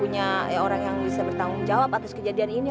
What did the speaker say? yang bener pak aji